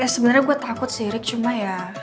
ehh ya sebenernya gue takut sih rik cuma ya